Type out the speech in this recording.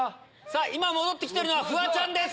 今戻って来てるのはフワちゃんです。